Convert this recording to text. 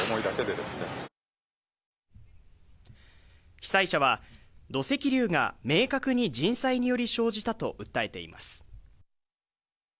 被災者は土石流が明確に人災により生じたと訴えています